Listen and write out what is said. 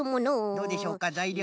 どうでしょうかざいりょう。